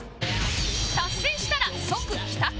達成したら即帰宅